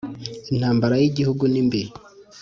intambara yigihugu nimbi.